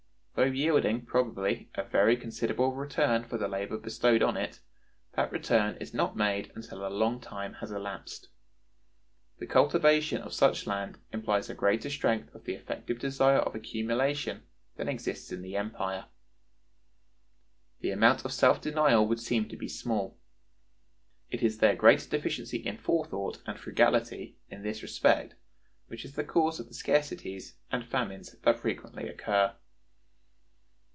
Though yielding, probably, a very considerable return for the labor bestowed on it, that return is not made until a long time has elapsed. The cultivation of such land implies a greater strength of the effective desire of accumulation than exists in the empire. The amount of self denial would seem to be small. It is their great deficiency in forethought and frugality in this respect which is the cause of the scarcities and famines that frequently occur."